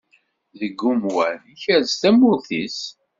Deg umwan, ikerrez tamurt-is.